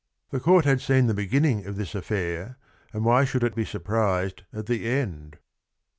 CAPONSACCHI 79 The court had seen the beginning of this affair, and why should it be surprised at the end?